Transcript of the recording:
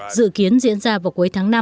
dự kiến diễn ra vào cuối tháng năm